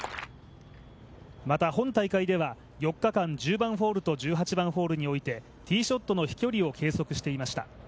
また、本大会では４日間１０番ホールと１８番ホールにおいてティーショットの飛距離を計測していました。